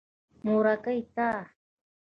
مورکۍ تا.